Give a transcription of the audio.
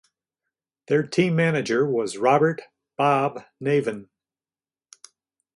Their team manager was Robert (Bob) Navin.